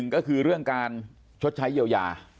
ก็คือเรื่องการชดใช้เยียวยา